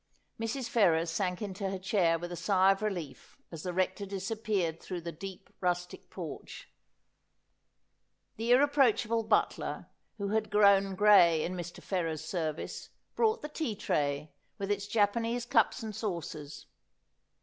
Mrs. Ferrers sank into her chair with a sigh of relief as the Rector disappeared through the deep rustic porch. The irre proachable butler, who had grown gray in Mr. Ferrers's service, brought the tea tray, with its Japanese cups and saucers.